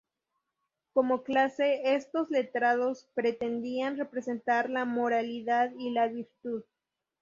Como clase, estos letrados pretendían representar la moralidad y la virtud.